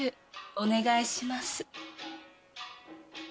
お願いします。